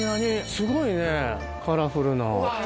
すごいねカラフルな。